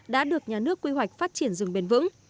đã được nhà nước quy hoạch phát triển rừng bền vững